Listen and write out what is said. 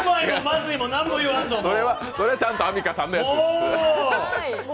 それはちゃんとアミカさんのやつです。